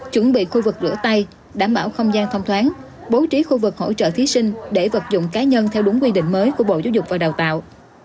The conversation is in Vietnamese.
chuẩn bị khu vực rửa tay đảm bảo không gian thông thoáng bố trí khu vực hỗ trợ thí sinh để vật dụng cá nhân theo đúng quy định mới của bộ giáo dục và đào tạo